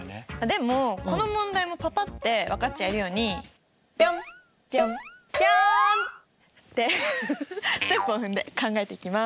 でもこの問題もパパって分かっちゃえるようにってステップを踏んで考えていきます。